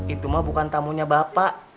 itu mah bukan tamunya bapak